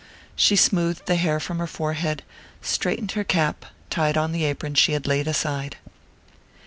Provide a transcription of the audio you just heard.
She smoothed the hair from her forehead, straightened her cap, tied on the apron she had laid aside....